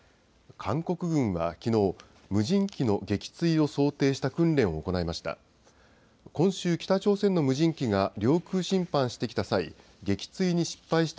韓国軍はきのう、無人機の撃墜を想定した訓練を行いました。